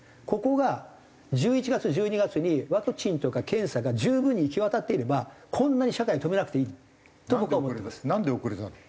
ここが１１月１２月にワクチンとか検査が十分に行き渡っていればこんなに社会は止めなくていいと僕は思います。